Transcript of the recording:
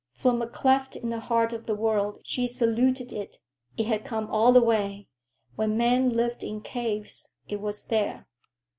From a cleft in the heart of the world she saluted it...It had come all the way; when men lived in caves, it was there.